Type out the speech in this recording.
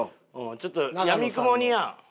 ちょっとやみくもにな。